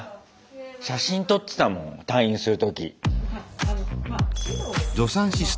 写真撮ってたもん退院する時。